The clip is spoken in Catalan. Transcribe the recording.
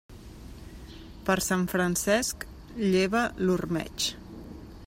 Per Sant Francesc, lleva l'ormeig.